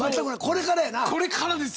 これからですよ。